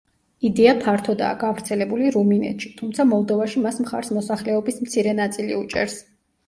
იდეა ფართოდაა გავრცელებული რუმინეთში, თუმცა მოლდოვაში მას მხარს მოსახლეობის მცირე ნაწილი უჭერს.